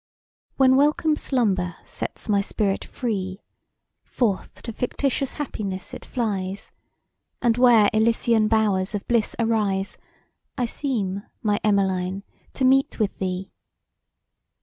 WHEN welcome slumber sets my spirit free, Forth to fictitious happiness it flies, And where Elysian bowers of bliss arise, I seem, my Emmeline to meet with thee!